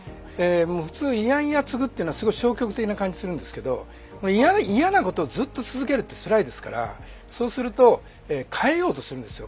普通嫌々継ぐっていうのはすごい消極的な感じするんですけど嫌なことをずっと続けるってつらいですからそうすると変えようとするんですよ